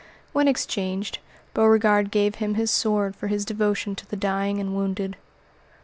When exchanged, Beauregard gave him his sword for his devotion to the dying and wounded.